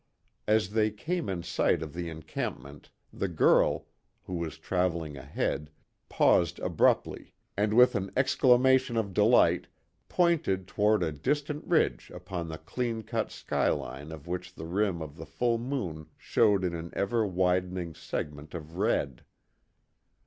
As they came in sight of the encampment the girl, who was traveling ahead, paused abruptly and with an exclamation of delight, pointed toward a distant ridge upon the clean cut skyline of which the rim of the full moon showed in an ever widening segment of red.